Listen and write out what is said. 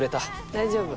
大丈夫。